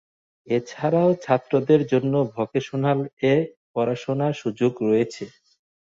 এছাড়াও ছাত্রদের জন্য ভোকেশনাল এ পড়াশুনার সুযোগ রয়েছে।